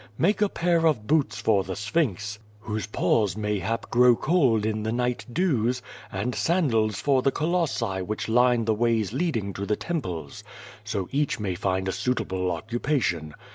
Make a pair of boots for the Sphinx, whose paws mayhap grow cold in the night dews, and sandals for the Colossi which line the ways leading to the temples. So each may find a suitable occupation.